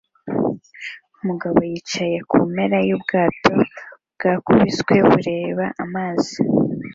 Umugabo yicaye kumpera yubwato bwakubiswe bureba amazi